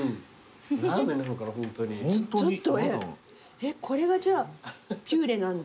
えっこれがじゃあピューレなんだ。